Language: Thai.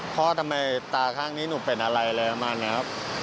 ทำไมตาข้างนี้หนูเป็นอะไรอะไรประมาณนี้ครับ